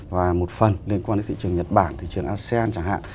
và một phần liên quan đến thị trường nhật bản thị trường asean chẳng hạn